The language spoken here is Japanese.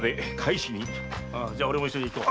じゃ俺も一緒に行こう。